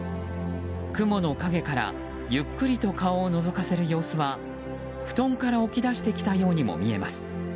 雲の影からゆっくりと顔をのぞかせる様子は布団から起き出してきたようにも見えます。